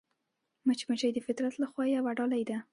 مچمچۍ د فطرت له خوا یوه ډالۍ ده